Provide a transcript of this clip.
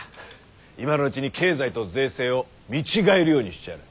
今のうちに経済と税制を見違えるようにしちゃる！